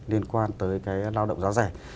liên quan tới cái lao động giá rẻ